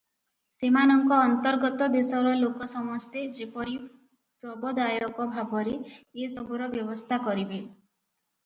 ସେମାନଙ୍କ ଅନ୍ତର୍ଗତ ଦେଶର ଲୋକ ସମସ୍ତେ ଯେପରି ପ୍ରବଦାୟକ ଭାବରେ ଏସବୁର ବ୍ୟବସ୍ଥା କରିବେ ।